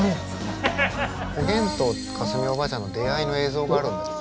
おげんと架純おばあちゃんの出会いの映像があるんだけど。